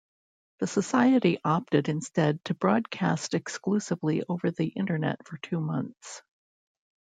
The society opted instead to broadcast exclusively over the Internet for two months.